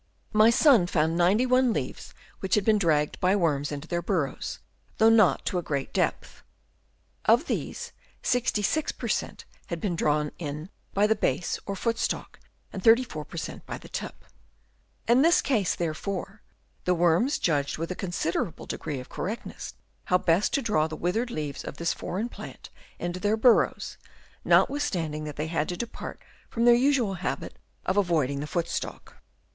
My son found 9 1 leaves which had been dragged Chap. II. THEIR INTELLIGENCE. 73 by worms into their burrows, though not to a great depth ; of these 66 per cent, had been drawn in by the base or foot stalk ; and 34 per cent, by the tip. In this case, therefore, the worms judged with a considerable degree of correctness how best to draw the withered leaves of this foreign plant into their burrows ; notwithstanding that they had to depart from their usual habit of avoiding the foot stalk.